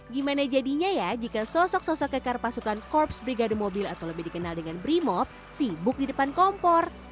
gimana jadinya ya jika sosok sosok kekar pasukan korps brigade mobil atau lebih dikenal dengan brimop sibuk di depan kompor